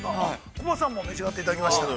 コバさんも召し上がっていただきました。